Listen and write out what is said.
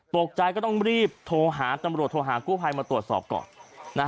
ตกใจก็ต้องรีบโทรหาตำรวจโทรหากู้ภัยมาตรวจสอบก่อน